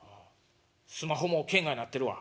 スマホも圏外なってるわ。